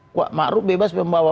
kuat makrup bebas membawa